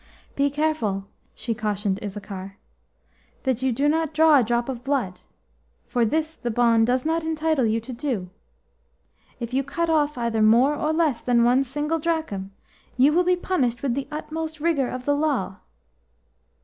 "Be careful!" she cautioned Issachar, "that you do not draw a drop of blood, for this the bond does not entitle you to do. If you cut off either more or less than one single drachm, you will be punished with the utmost rigour of the law."